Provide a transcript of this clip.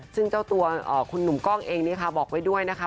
ซึ่งตัวที่นุ่มกล้องเองนะคะบอกไว้ด้วยนะคะ